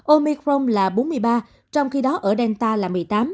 omicron là bốn mươi ba trong khi đó ở delta là một mươi tám